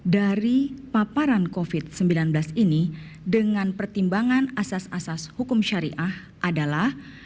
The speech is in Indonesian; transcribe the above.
dari paparan covid sembilan belas ini dengan pertimbangan asas asas hukum syariah adalah